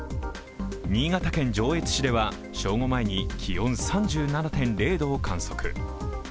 新潟県上越市では正午前に気温３７．０度を観測。